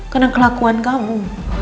karena kelakuan kamu